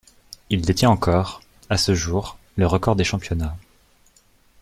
Il détient encore, à ce jour, le record des championnats.